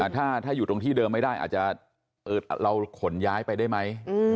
ถ้าอยู่ตรงที่เดิมไม่ได้อาจจะเราขนย้ายไปได้ไหม